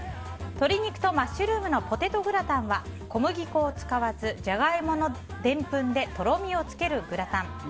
鶏肉とマッシュルームのポテトグラタンは小麦粉を使わずジャガイモのでんぷんでとろみをつけるグラタン。